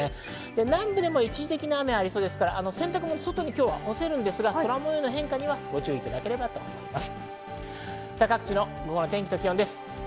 南部でも一時的な雨がありそうですから洗濯物は外に干せるんですが空模様にはご注意いただきたいと思います。